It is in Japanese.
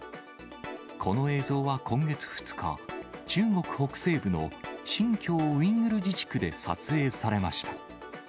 この映像は今月２日、中国北西部の新疆ウイグル自治区で撮影されました。